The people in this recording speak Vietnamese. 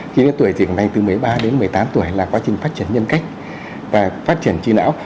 khi đến tuổi trưởng thành từ một mươi ba đến một mươi tám tuổi là quá trình phát triển nhân cách và phát triển trí não